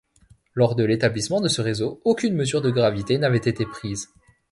Lors de l'établissement de ce réseau, aucune mesure de gravité n'avait été prise.